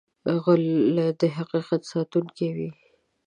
غلی، د حقیقت ساتونکی وي.